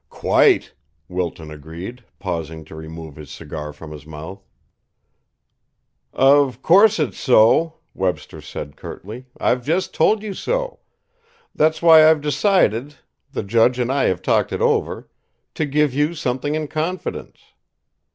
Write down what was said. "Quite," Wilton agreed, pausing to remove his cigar from his mouth. "Of course, it's so," Webster said curtly. "I've just told you so. That's why I've decided the judge and I have talked it over to give you something in confidence."